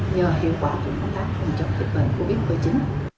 nhờ hiệu quả trong công tác phòng chống dịch bệnh covid một mươi chín